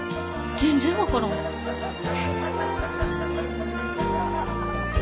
全然分からん。